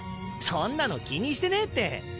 そんなの気にしてねえって！